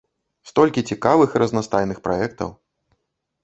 Столькі цікавых і разнастайных праектаў.